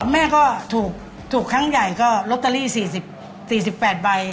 แม่ก็ถูกครั้งใหญ่ก็ลอตเตอรี่๔๘ใบ